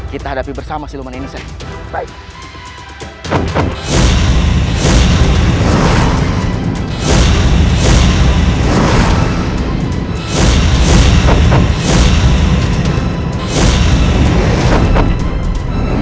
kita hadapi bersama siluman ini seri